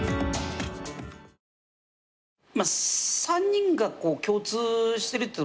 ３人が共通してるって